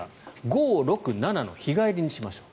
５、６、７の日帰りにしましょう。